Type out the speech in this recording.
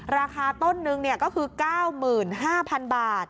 ราคาต้นนึงก็คือ๙๕๐๐๐บาท